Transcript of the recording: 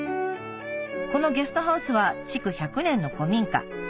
このゲストハウスは築１００年の古民家